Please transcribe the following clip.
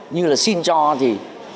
như là xin cho thì